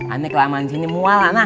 aneh kelamin sini mual anah